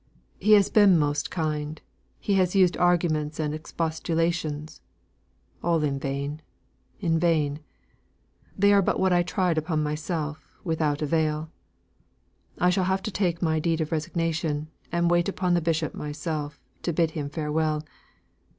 He has been most kind; he has used arguments and expostulations, all in vain in vain. They are but what I have tried upon myself, without avail. I shall have to take my deed of resignation, and wait upon the bishop myself, to bid him farewell.